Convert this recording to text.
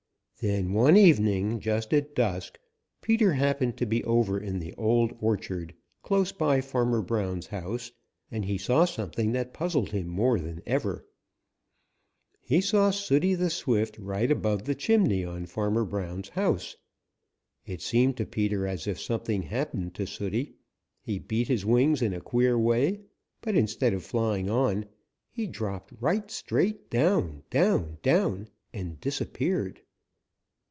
Then one evening just at dusk, Peter happened to be over in the Old Orchard close by Farmer Brown's house, and he saw something that puzzled him more than ever. He saw Sooty the Swift right above the chimney on Farmer Brown's house. It seemed to Peter as if something happened to Sooty. He beat his wings in a queer way, but instead of flying on, he dropped right straight down, down, down, and disappeared.